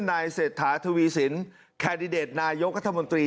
นายเศษฐาทวีศิลป์แคดดิเดตนายกัธมนตรี